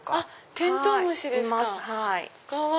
テントウムシですか！